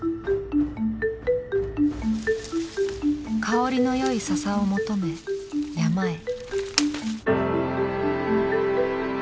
香りの良い笹を求め山へ。